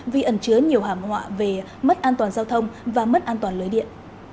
vì ẩn trứa nhiều hàm họa về mất an toàn giao thông và mất an toàn lưới điện